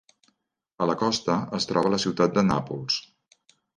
A la costa es troba la ciutat de Nàpols.